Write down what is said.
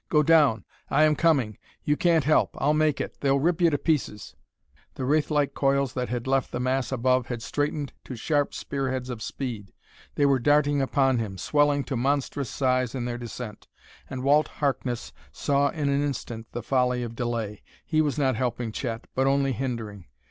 Go down! I am coming you can't help I'll make it they'll rip you to pieces " The wraith like coils that had left the mass above had straightened to sharp spear heads of speed. They were darting upon him, swelling to monstrous size in their descent. And Walt Harkness saw in an instant the folly of delay: he was not helping Chet, but only hindering....